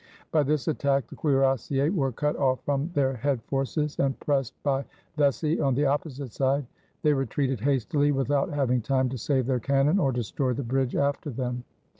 By this attack the cuirassiers were cut off from their head forces; and, pressed by Vecsey on the opposite side, they retreated hastily, without having time to save their cannon or destroy the bridge after them.